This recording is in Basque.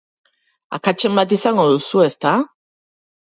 Akatsen bat izango duzu, ezta?